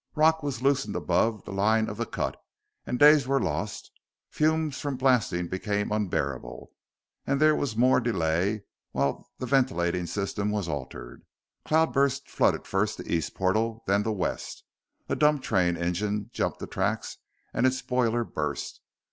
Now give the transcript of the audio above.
Rock was loosened above the line of the cut, and days were lost. Fumes from blasting became unbearable, and there was more delay while the ventilating system was altered. Cloudbursts flooded first the east portal, then the west. A dump train engine jumped the tracks, and its boiler burst.